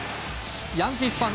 ヤンキースファン